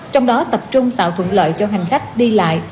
trong đó tập trung tạo thuận lợi cho hành khách đi lại